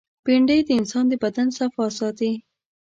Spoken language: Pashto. بېنډۍ د انسان د بدن صفا ساتي